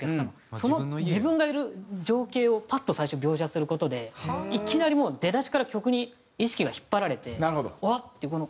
その自分がいる情景をパッと最初に描写する事でいきなりもう出だしから曲に意識が引っ張られてうわ！っていうこの。